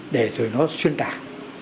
để rồi nó xuyên tạc